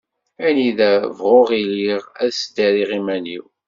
Anida bɣuɣ iliɣ ad sdariɣ iman-iw.